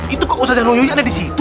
itu kok usazanuyoy ada di situ